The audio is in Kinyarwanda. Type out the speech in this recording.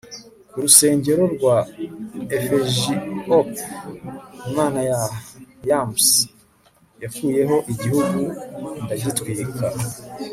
ku rusengero rwa ifejioku, imana ya yams. nakuyeho igihuru ndagitwika